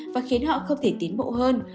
và khiến họ không thể tiến bộ hơn